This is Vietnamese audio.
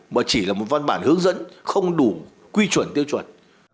mà chỉ là một văn bản hướng dẫn không đủ quy chuẩn tiêu chuẩn